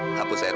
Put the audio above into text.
oh plus paham